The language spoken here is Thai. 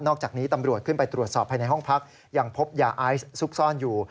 จากนี้ตำรวจขึ้นไปตรวจสอบภายในห้องพักยังพบยาไอซ์ซุกซ่อนอยู่